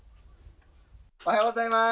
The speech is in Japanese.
おはようございます！